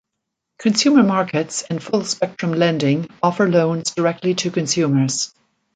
Consumer Markets and Full Spectrum Lending offer loans directly to consumers.